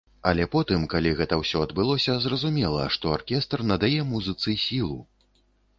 Але потым, калі гэта ўсё адбылося, зразумела, што аркестр надае музыцы сілу.